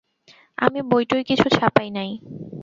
আমি বই-টই কিছু ছাপাই নাই।